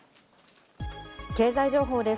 経済情報です。